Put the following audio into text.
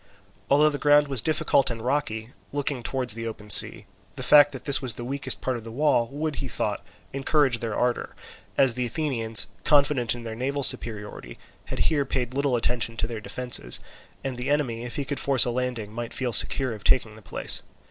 Although the ground was difficult and rocky, looking towards the open sea, the fact that this was the weakest part of the wall would, he thought, encourage their ardour, as the Athenians, confident in their naval superiority, had here paid little attention to their defences, and the enemy if he could force a landing might feel secure of taking the place.